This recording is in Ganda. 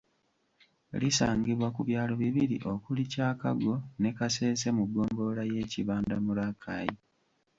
lisangibwa ku byalo bibiri okuli Kyakago ne Kasese mu ggombolola y’e Kibanda mu Rakai